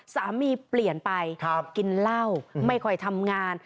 เปลี่ยนไปกินเหล้าไม่ค่อยทำงาน